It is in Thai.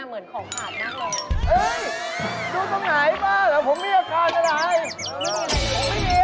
แจ้ผมเข้าออกก่อนแล้วแจ้